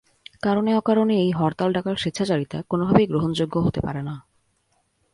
কারণে অকারণে এই হরতাল ডাকার স্বেচ্ছাচারিতা কোনোভাবেই গ্রহণযোগ্য হতে পারে না।